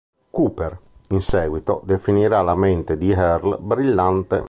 Cooper, in seguito, definirà la mente di Earle "brillante".